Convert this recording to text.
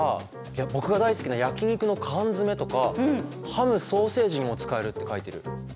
僕が大好きな焼き肉の缶詰めとかハム・ソーセージにも使えるって書いてる。